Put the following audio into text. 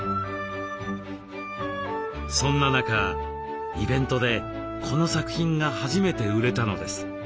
そんな中イベントでこの作品が初めて売れたのです。